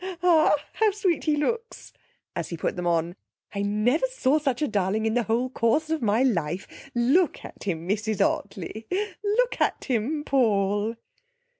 Ah! how sweet he looks!' as he put them on, 'I never saw such a darling in the whole course of my life! Look at him, Mrs Ottley. Look at him, Paul!'